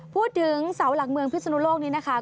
พูดถึงเสาหลักเมืองพิศนุโลกนี้นะคะ